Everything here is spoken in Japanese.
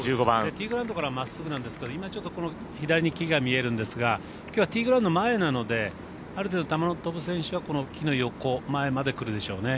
ティーグラウンドからまっすぐなんですけど左に木が見えるんですが、きょうはティーグラウンドの前なのである程度、球の飛ぶ選手はこの木の横、前まで来るでしょうね。